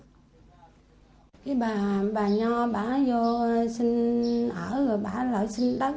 cái bà nho bà nó vô sinh ở rồi bà nó sinh đất